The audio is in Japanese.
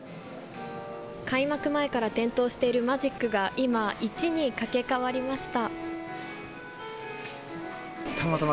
開幕前から点灯しているマジックが今、１にかけ変わりました。